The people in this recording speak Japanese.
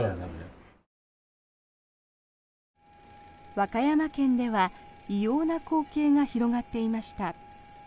和歌山県では異様な光景が広がっていました。